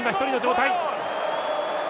日本、１人の状態。